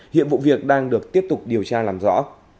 hiện vụ việc đang được tiếp tục điều tra làm rõ